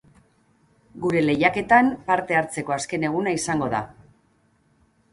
Gure lehiaketan parte hartzeko azken eguna izango da!